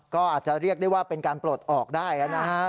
ก็อาจจะเรียกได้ว่าเป็นการปลดออกได้นะฮะ